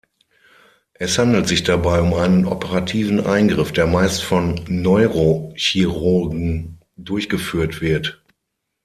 Es handelt sich dabei um einen operativen Eingriff, der meist von Neurochirurgen durchgeführt wird.